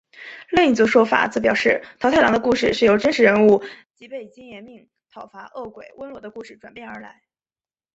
另一则说法则表示桃太郎的故事是由真实人物吉备津彦命讨伐恶鬼温罗的故事转变而来。